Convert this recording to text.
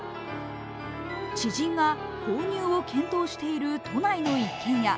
知人が購入を検討している都内の一軒家。